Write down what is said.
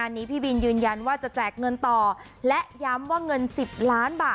แอบแฝงแน่นอนค่ะ